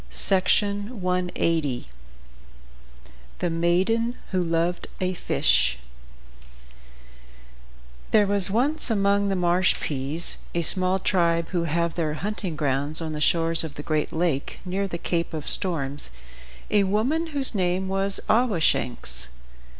THE MAIDEN WHO LOVED A FISH There was once among the Marshpees, a small tribe who have their hunting grounds on the shores of the Great Lake, near the Cape of Storms, a woman whose name was Awashanks.